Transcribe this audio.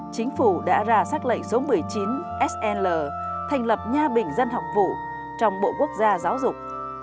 chính phủ đã ra xác lệnh số một mươi chín sl thành lập nha bình dân học vụ trong bộ quốc gia giáo dục